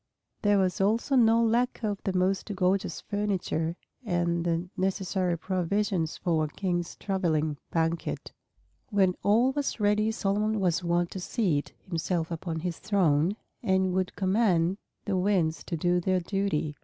There was also no lack of the most gorgeous furniture and the necessary provisions for a king's traveling banquet. When all was ready Solomon was wont to seat himself upon his throne, and would command the winds to do their duty.